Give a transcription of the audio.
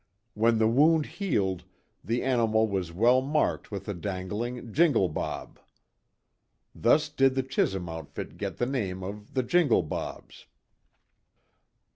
When the wound healed the animal was well marked with a dangling "Jingle bob." Thus did the Chisum outfit get the name of the "Jingle bobs."